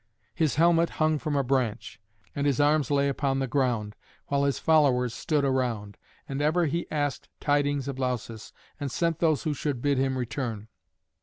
His helmet hung from a branch, and his arms lay upon the ground, while his followers stood around. And ever he asked tidings of Lausus, and sent those who should bid him return.